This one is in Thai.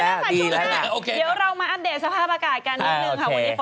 อ้าวขอคำถามที่สุดค่ะ